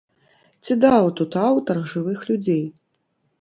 Ці даў тут аўтар жывых людзей?